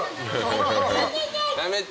やめて！